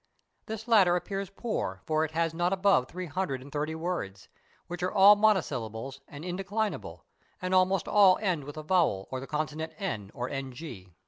This latter appears poor, for it has not above three hundred and thirty words, which are all monosyllables and indeclinable, and almost all end with a vowel or the consonant n or ng.